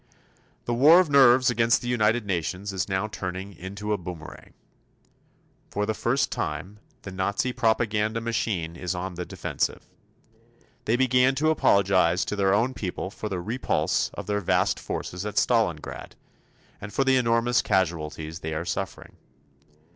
The "War of Nerves" against the United Nations is now turning into a boomerang. For the first time, the Nazi propaganda machine is on the defensive. They begin to apologize to their own people for the repulse of their vast forces at Stalingrad, and for the enormous casualties they are suffering.